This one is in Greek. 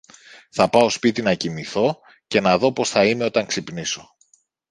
Θα πάω σπίτι να κοιμηθώ και να δω πώς θα είμαι όταν ξυπνήσω